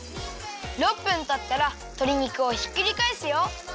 ６分たったらとり肉をひっくりかえすよ！